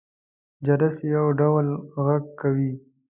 جرس يو ډول غږ کوي.